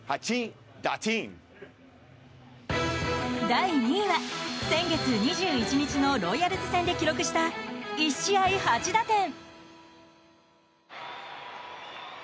第２位は、先月２１日のロイヤルズ戦で記録した１試合８打点。